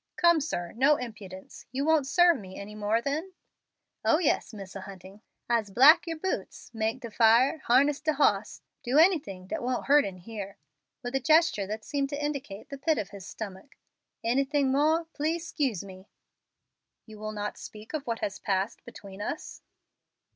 "Come, sir, no impudence. You won't serve me any more then?" "Oh yes, Misser Hunting. I'se black yer boots, make de fire, harness de hoss, do anything dat won't hurt in here," with a gesture that seemed to indicate the pit of his stomach. "Anything more, please 'scuse me." "You will not speak of what has passed between us?"